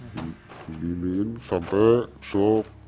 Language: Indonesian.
dibinin sampai se